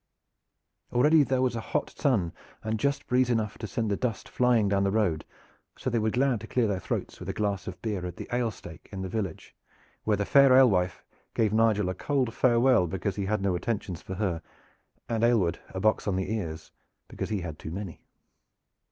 Already there, was a hot sun and just breeze enough to send the dust flying down the road, so they were glad to clear their throats with a glass of beer at the ale stake in the village, where the fair alewife gave Nigel a cold farewell because he had no attentions for her, and Aylward a box on the ear because he had too many.